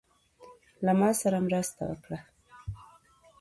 له ماسره مرسته وکړه.